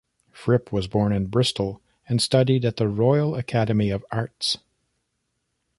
Fripp was born in Bristol and studied at the Royal Academy of Arts.